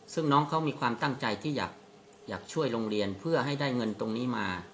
ซึ่งน้องเขามีความตั้งใจที่อยากช่วยโรงเรียนเพื่อให้ได้เงินตรงนี้มา